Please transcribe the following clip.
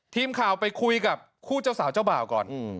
ทีมข่าวไปคุยกับคู่เจ้าสาวเจ้าบ่าวก่อน